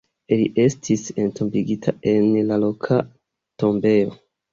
Li estis entombigita en la loka tombejo.